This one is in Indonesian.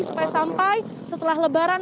supaya sampai setelah lebaran